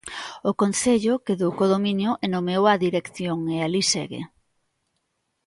O Concello quedou co dominio e nomeou á dirección e alí segue.